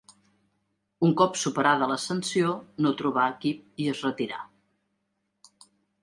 Un cop superada la sanció no trobà equip i es retirà.